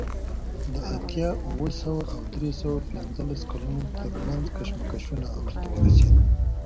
د اتیا اوه سوه او درې سوه پنځلس کلونو ترمنځ کشمکشونه اوج ته ورسېدل